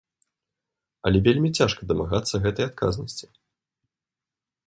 Але вельмі цяжка дамагацца гэтай адказнасці.